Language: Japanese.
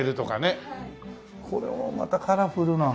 これもまたカラフルな。